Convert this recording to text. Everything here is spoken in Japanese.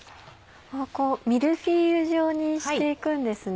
ミルフィーユ状にして行くんですね。